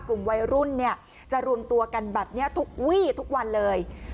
กลุ่มวัยรุ่นเนี่ยจะรวมตัวกันแบบนี้ทุกวี่ทุกวันเลย